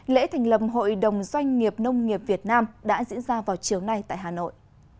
lễ thành lập hội đồng doanh nghiệp nông nghiệp việt nam đã diễn ra vào chiều nay tại hà nội